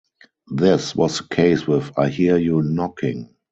This was the case with "I Hear You Knocking".